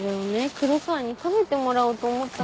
黒川に食べてもらおうと思ったんだけど。